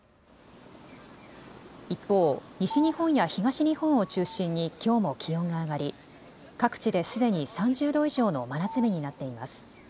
一方、西日本や東日本を中心にきょうも気温が上がり各地ですでに３０度以上の真夏日になっています。